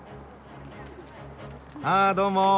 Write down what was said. あどうも。